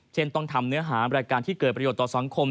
เช่นต้องทำเนื้อหารายการที่เกิดประโยชน์ต่อสังคม